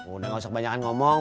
udah enggak usah banyak ngomong